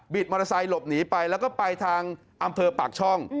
มอเตอร์ไซค์หลบหนีไปแล้วก็ไปทางอำเภอปากช่อง